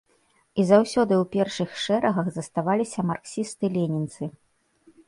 І заўсёды ў першых шэрагах заставаліся марксісты-ленінцы.